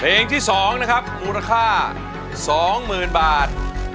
เพลงที่๒นะครับมูลค่า๒๐๐๐บาท